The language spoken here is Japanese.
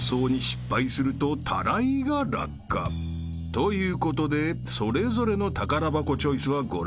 ［ということでそれぞれの宝箱チョイスはご覧のとおり］